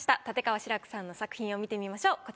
立川志らくさんの作品を見てみましょう。